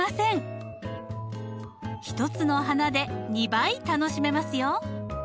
１つの花で２倍楽しめますよ。